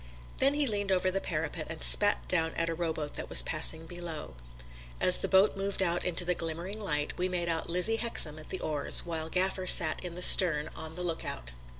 Then he leaned over the parapet and spat down at a rowboat that was passing below. As the boat moved out into the glimmering light we made out Lizzie Hexam at the oars, while Gaffer sat in the stern on the lookout.